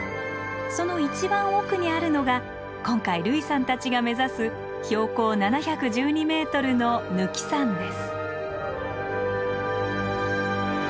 その一番奥にあるのが今回類さんたちが目指す標高７１２ｍの貫山です。